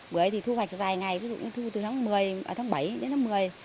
bưởi thì thu hoạch dài ngày ví dụ thu từ tháng bảy đến tháng một mươi